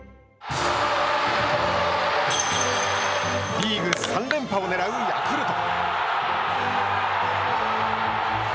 リーグ３連覇をねらうヤクルト。